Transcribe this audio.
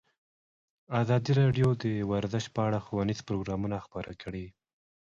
ازادي راډیو د ورزش په اړه ښوونیز پروګرامونه خپاره کړي.